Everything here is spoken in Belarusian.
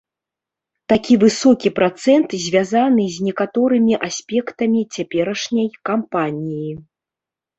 Такі высокі працэнт звязны з некаторымі аспектамі цяперашняй кампаніі.